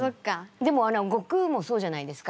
でも悟空もそうじゃないですか。